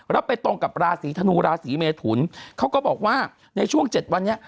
แล้วไปตรงกับราศีธนูราศีเมทุนเขาก็บอกว่าในช่วง๗วันนี้